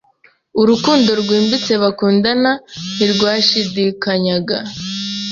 Urukundo rwimbitse bakundana ntirwashidikanyaga.